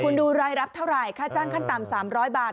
คุณดูรายรับเท่าไหร่ค่าจ้างขั้นต่ำ๓๐๐บาท